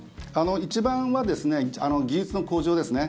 一番は技術の向上ですね。